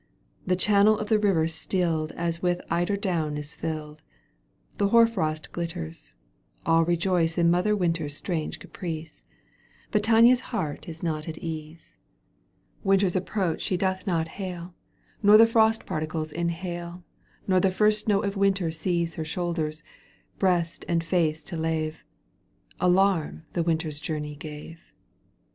The channel of the river stilled As if with eider down is filled. The hoar frost glitters : all rejoice In mother Winter's strange caprice. But Tania's heart is not at ease, Digitized by CjOOQ 1С 204 EUGENE ONi^GUINE. caijto vn. Winter's approach she doth not hail Nor the frost particles inhale Nor the first snow of winter seize iHer shoulders, breast and face to lave — Alarm the winter journey gave.